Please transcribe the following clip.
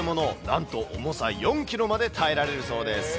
なんと重さ４キロまで耐えられるそうです。